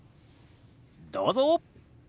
どうぞ！